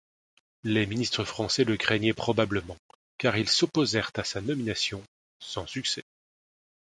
Les ministres français le craignaient probablement, car ils s'opposèrent à sa nomination, sans succès.